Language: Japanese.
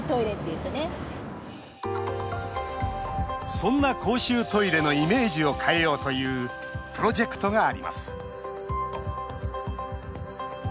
そんな公衆トイレのイメージを変えようというプロジェクトがあります。